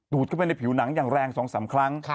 เข้าไปในผิวหนังอย่างแรง๒๓ครั้ง